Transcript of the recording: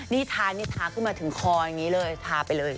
นี่ทานี่ทาขึ้นมาถึงคออย่างนี้เลยทาไปเลย